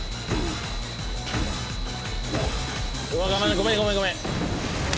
ごめんごめんごめん。